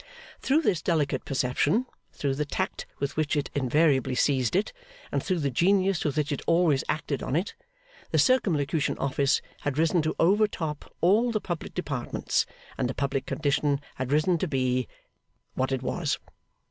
Through this delicate perception, through the tact with which it invariably seized it, and through the genius with which it always acted on it, the Circumlocution Office had risen to overtop all the public departments; and the public condition had risen to be what it was.